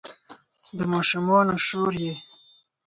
د ماشومانو شور یې